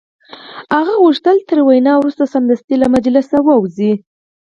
هغه غوښتل تر وینا وروسته سمدستي له مجلسه ووځي